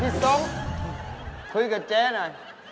พี่สงฆ์คุยกับเจ๊หน่อย